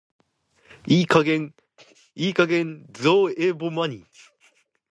いい加減偽絵保マニ。